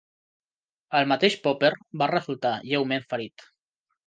El mateix Popper va resultar lleument ferit.